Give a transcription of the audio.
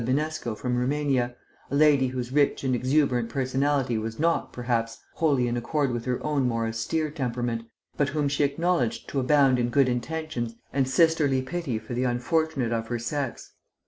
Binesco from Roumania, a lady whose rich and exuberant personality was not, perhaps, wholly in accord with her own more austere temperament, but whom she acknowledged to abound in good intentions and sisterly pity for the unfortunate of her sex.